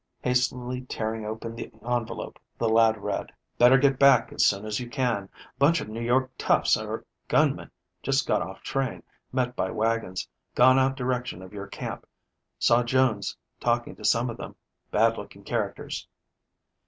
Hastily tearing open the envelope, the lad read: "Better get back as soon as you can. Bunch of New York toughs or gunmen just got off train. Met by wagons. Gone out direction of your camp. Saw Jones talking to some of them. Bad looking characters."